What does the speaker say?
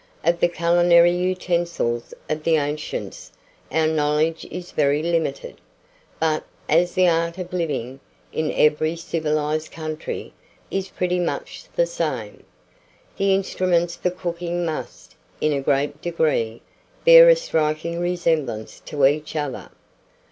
Of the culinary utensils of the ancients, our knowledge is very limited; but as the art of living, in every civilized country, is pretty much the same, the instruments for cooking must, in a great degree, bear a striking resemblance to each other.